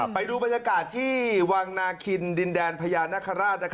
ไปดูบรรยากาศที่วังนาคินดินแดนพญานาคาราช